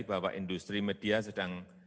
bahwa industri media sedang